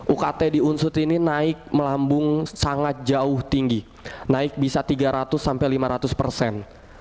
ukt di unsut ini naik melambung sangat jauh tinggi naik bisa tiga ratus sampai lima ratus persen